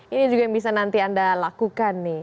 ini juga yang bisa nanti anda lakukan nih